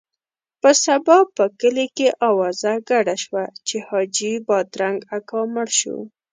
په سبا په کلي کې اوازه ګډه شوه چې حاجي بادرنګ اکا مړ شو.